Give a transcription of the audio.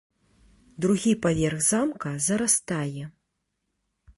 Другі паверх замка зарастае.